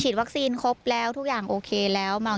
วัคซีนครบแล้วทุกอย่างโอเคแล้ว